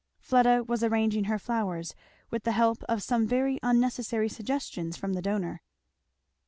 Fleda was arranging her flowers, with the help of some very unnecessary suggestions from the donor.